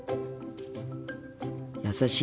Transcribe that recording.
優しい。